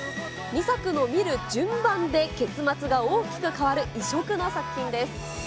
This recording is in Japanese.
２作を見る順番で結末が大きく変わる異色の作品です。